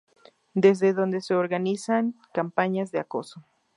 desde donde se organizan campañas de acoso